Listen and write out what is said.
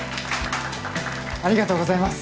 ありがとうございます。